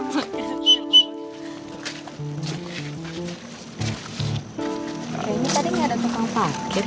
kayaknya tadi gak ada tukang pake